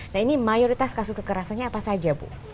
nah ini mayoritas kasus kekerasannya apa saja bu